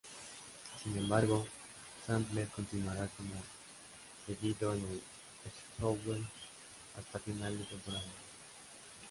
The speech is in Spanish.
Sin embargo, Sandler continuará como cedido en el Zwolle hasta final de temporada.